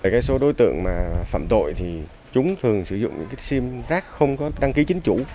cái số đối tượng phạm tội thì chúng thường sử dụng những sim rác không có đăng ký chính chủ